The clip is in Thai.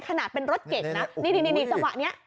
ขนาดเป็นรถเก่งนะ